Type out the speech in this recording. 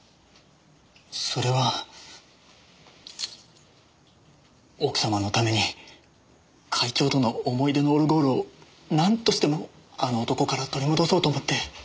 それは奥様のために会長との思い出のオルゴールをなんとしてもあの男から取り戻そうと思って。